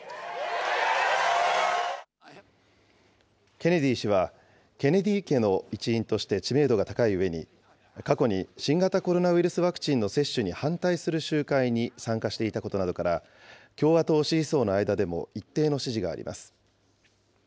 ケネディ氏は、ケネディ家の一員として知名度が高いうえに、過去に新型コロナウイルスワクチンの接種に反対する集会に参加していたことなどから、共和党支持層の間でも一定の支持があります。